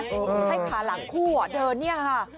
ให้ขาหลังคู่เดินเนี่ยค่ะ